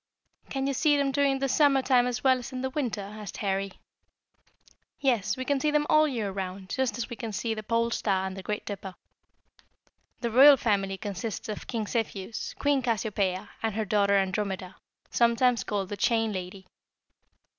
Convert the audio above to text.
"Can you see them during the summer time as well as the winter?" asked Harry. [Illustration: QUEEN CASSIOPEIA.] "Yes, we can see them all the year round, just as we can always see the Pole Star and the Great Dipper. The Royal Family consists of King Cepheus, Queen Cassiopeia, and her daughter Andromeda, sometimes called the 'Chained Lady.'